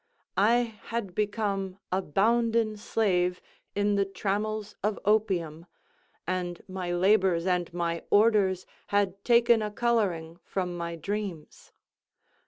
I had become a bounden slave in the trammels of opium, and my labors and my orders had taken a coloring from my dreams.